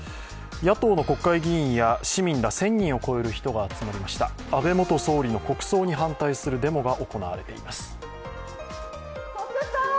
野党の国会議員や市民ら１０００人を超える人が集まりました、安倍元総理の国葬に反対するデモが行われています。